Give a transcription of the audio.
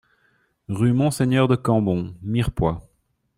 Rue Monseigneur de Cambon, Mirepoix